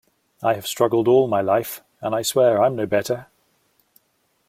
I have struggled all my life, and I swear I'm no better.